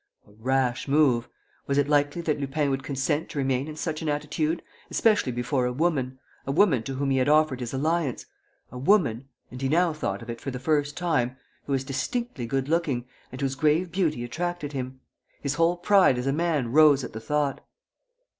A rash move! Was it likely that Lupin would consent to remain in such an attitude, especially before a woman, a woman to whom he had offered his alliance, a woman and he now thought of it for the first time who was distinctly good looking and whose grave beauty attracted him. His whole pride as a man rose at the thought.